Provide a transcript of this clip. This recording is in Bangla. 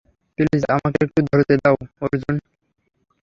প্লিজ আমাকে একটু ধরতে দাও, অর্জুন।